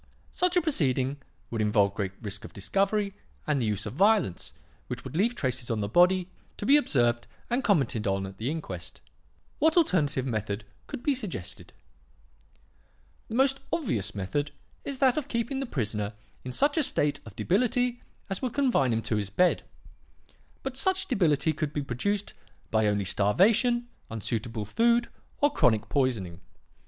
Such a proceeding would involve great risk of discovery and the use of violence which would leave traces on the body, to be observed and commented on at the inquest. What alternative method could be suggested? "The most obvious method is that of keeping the prisoner in such a state of debility as would confine him to his bed. But such debility could be produced by only starvation, unsuitable food, or chronic poisoning.